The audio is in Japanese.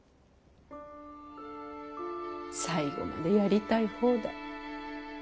最後までやりたい放題。